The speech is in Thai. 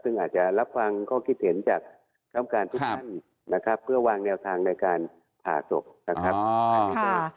ซึ่งอาจจะรับฟังข้อคิดเห็นจากคำการทุกท่านนะครับเพื่อวางแนวทางในการผ่าศพนะครับ